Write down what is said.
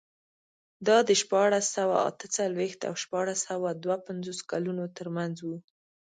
دا د شپاړس سوه اته څلوېښت او شپاړس سوه دوه پنځوس کلونو ترمنځ و.